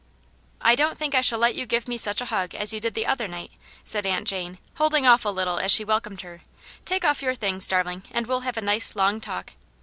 " I don't think I shall let you give me such a hug as you did the other night," said Aunt Jane, holding off a little as she welcomed her. "Take off your things, darling, and we'll have a nice long talk.